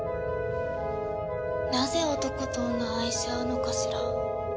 なぜ男と女は愛し合うのかしら？